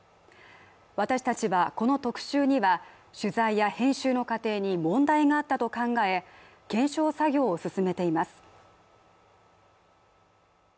私たちはこの特集には取材や編集の過程に問題があったと考え検証作業を進めています。